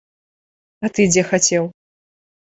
А ты дзе хацеў?